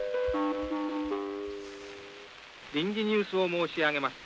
「臨時ニュースを申し上げます。